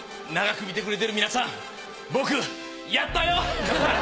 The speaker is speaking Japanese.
長く見てくれてる皆さん僕やったよ！